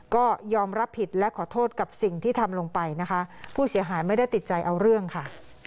ก็ยอมรับผิดและขอโทษกับสิ่งที่ทำลงไปนะคะผู้เสียหายไม่ได้ติดใจเอาเรื่องค่ะ